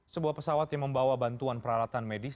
sebuah pesawat yang membawa bantuan peralatan medis